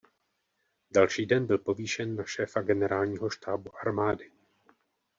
Další den byl povýšen na šéfa generálního štábu armády.